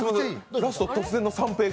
ラスト、突然の三瓶が。